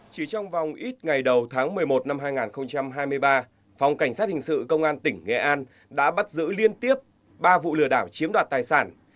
chỉ trong vòng ít ngày đầu tháng một mươi một năm hai nghìn hai mươi ba phòng cảnh sát hình sự công an tỉnh nghệ an đã bắt giữ liên tiếp ba vụ lừa đảo chiếm đoạt tài sản